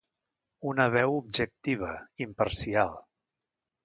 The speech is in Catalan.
Una veu objectiva, imparcial.